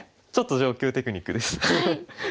ちょっと上級テクニックです。